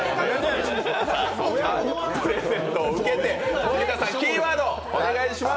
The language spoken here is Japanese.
プレゼントを受けて森田さんキーワードをお願いします。